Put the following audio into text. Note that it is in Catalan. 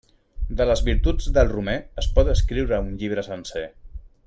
De les virtuts del romer es pot escriure un llibre sencer.